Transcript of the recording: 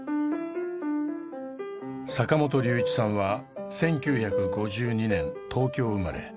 坂本龍一さんは１９５２年東京生まれ。